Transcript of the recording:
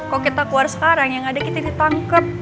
kalau kita keluar sekarang yang ada kita tangkep